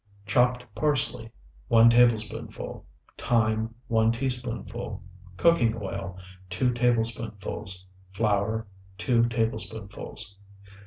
Chopped parsley, 1 tablespoonful. Thyme, 1 teaspoonful. Cooking oil, 2 tablespoonfuls. Flour, 2 tablespoonfuls.